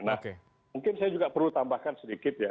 nah mungkin saya juga perlu tambahkan sedikit ya